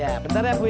ya bentar ya bu ya